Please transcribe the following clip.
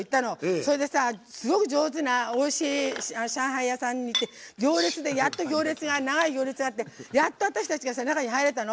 それですごく上手なおいしい上海屋さんにいって長い行列があってやっと私たちが中に入れたの。